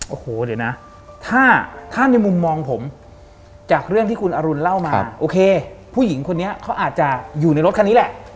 โอ้โหเดี๋ยวนะถ้าในมุมมองผมจากเรื่องที่คุณอรุณเล่ามาโอเคผู้หญิงคนนี้เขาอาจจะอยู่ในรถคันนี้แหละ